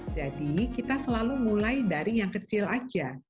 jadi kita selalu mulai dari yang kecil saja